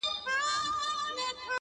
د اله زار خبري ډېري ښې دي ـ